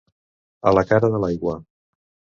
A la cara de l'aigua.